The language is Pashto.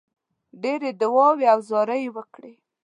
ډېرې دعاوي او زارۍ وکړې.